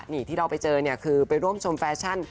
นี่ที่เราไปเจอเนี่ยคือไปร่วมชมแฟชั่น